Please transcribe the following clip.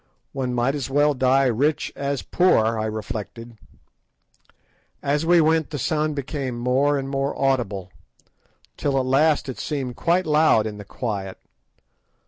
One might as well die rich as poor, I reflected. As we went the sound became more and more audible, till at last it seemed quite loud in the quiet.